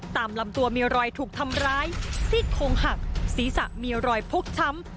ตามลำตัวมีรอยถูกทำร้ายซีกโครงหักศีรษะมีรอยพกช้ำ